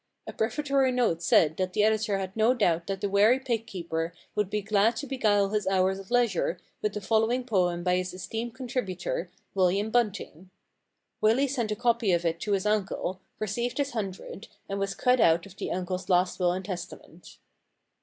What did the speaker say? A prefatory note said that the editor had no 232 The Pig Keeper's Problem doubt that the weary pig keeper would be glad to beguile his hours of leisure with the following poem by his esteemed contributor, William Bunting. Willy sent a copy of it to his uncle, received his hundred, and was cut out of the uncle^s last will and testament.